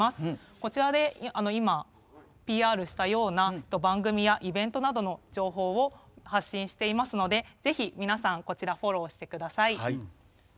こちらで今、ＰＲしたような番組やイベントなどの情報を発信していますのでぜひ、皆さんこちらフォローしてください。